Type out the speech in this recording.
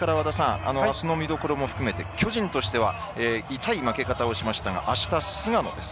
あすの見どころ、巨人としては痛い負け方をしましたがあすは菅野です。